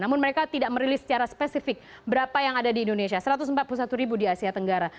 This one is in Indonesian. namun mereka tidak merilis secara spesifik berapa yang ada di indonesia satu ratus empat puluh satu ribu di asia tenggara